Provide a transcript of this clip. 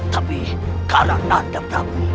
tapi karena nanda prabu